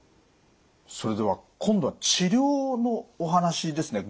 それでは今度は治療のお話ですね